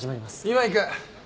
今行く。